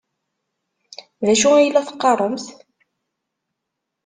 D acu ay la teqqaremt?